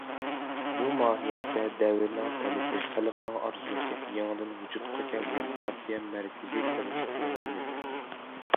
بۇ ماھىيەتتە دەۋرنىڭ تەلىپى، خەلقنىڭ ئارزۇسى، يېڭىدىن ۋۇجۇدقا كەلگەن پارتىيە مەركىزىي كومىتېتىنىڭ ئۈمىدى.